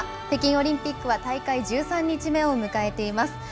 北京オリンピックは大会１３日目を迎えています。